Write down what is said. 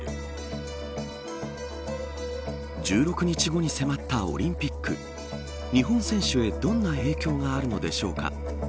１６日後に迫ったオリンピック日本選手へどんな影響があるのでしょうか。